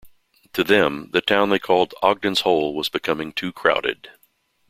To them, the town they called "Ogden's Hole" was becoming too crowded.